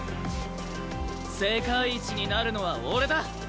世界一になるのは俺だ！